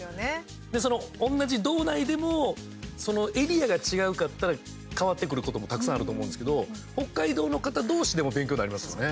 で、その同じ道内でもエリアが違うかったら変わってくることもたくさんあると思うんですけど北海道の方同士でも勉強になりますよね。